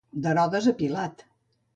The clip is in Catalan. D'Herodes a Pilat.